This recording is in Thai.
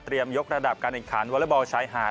เตรียมยกระดับการเอกหารวอร์เลอร์บอลชายหาด